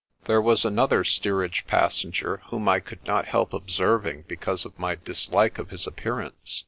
There was another steerage passenger whom I could not help observing because of my dislike of his appearance.